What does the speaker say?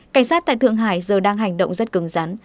cảnh sát tại thượng hải giờ đang hành động rất cứng rắn